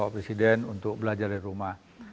presiden untuk belajar di rumah